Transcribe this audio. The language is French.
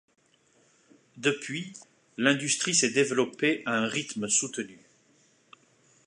Depuis, l’industrie s’est développée à un rythme soutenu.